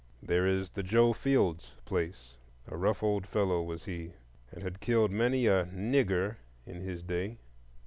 There is the "Joe Fields place"; a rough old fellow was he, and had killed many a "nigger" in his day.